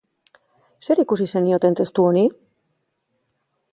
Zer ikusi zenioten testu honi?